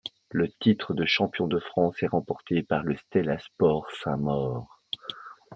Le titre de champion de France est remporté par le Stella Sports Saint-Maur.